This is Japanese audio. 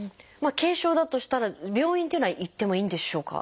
軽症だとしたら病院っていうのは行ってもいいんでしょうか？